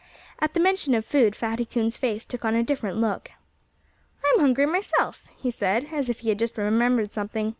At the mention of food Fatty Coon's face took on a different look. "I'm hungry myself," he said, as if he had just remembered something.